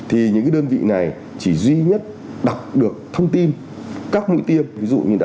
thì những cái đơn vị này chỉ duy nhất đọc được thông tin của công dân thì sẽ có những cái sở cứ quy định pháp lý để được tiến hành đọc